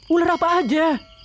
ular apa saja